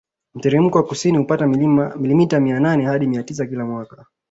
Mteremko wa kusini hupata milimita mia nane hadi mia tisa kila mwaka